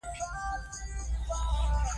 ملاله یو ځل بیا پر لوړ ځای ودرېده.